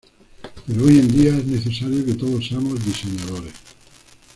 Pero hoy en día es necesario que todos seamos diseñadores".